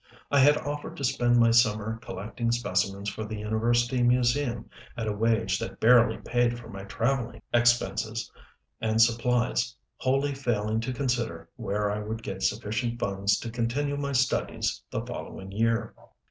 I had offered to spend my summer collecting specimens for the university museum at a wage that barely paid for my traveling expenses and supplies, wholly failing to consider where I would get sufficient funds to continue my studies the following year.